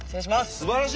すばらしい。